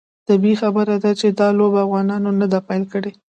طبیعي خبره ده چې دا لوبه افغانانو نه ده پیل کړې.